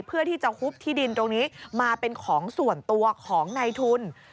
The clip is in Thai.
เพื่อที่จะหุบที่ดินตรงนี้มาเป็นของส่วนตัวของในทุน